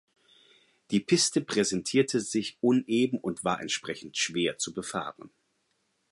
Die Piste präsentierte sich uneben und war entsprechend schwer zu befahren.